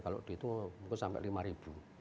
kalau di itu mungkin sampai lima ribu